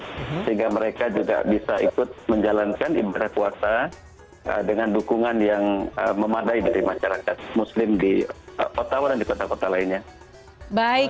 sehingga mereka juga bisa ikut menjalankan ibadah puasa dengan dukungan yang memadai dari masyarakat muslim di ottawa dan di kota kota lainnya